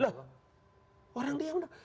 loh orang diam